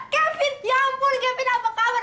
kevin ya ampun kevin apa kabar